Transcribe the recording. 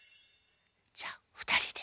じゃあふたりで。